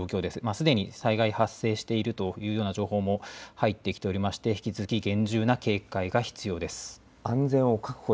すでに災害、発生しているというような情報も入ってきていまして引き続き厳重な警戒が必要です。